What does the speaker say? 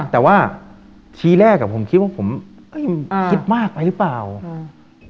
แต่ว่าทีแรกอ่ะผมคิดว่าผมเอ้ยคิดมากไปหรือเปล่าอืม